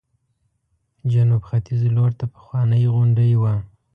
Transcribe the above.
جنوب ختیځ لورته پخوانۍ غونډۍ وه.